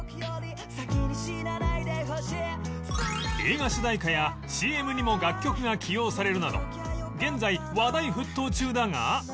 「先に死なないでほしい」映画主題歌や ＣＭ にも楽曲が起用されるなど現在話題沸騰中だが